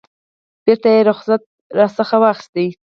بیرته یې رخصت راڅخه واخیست.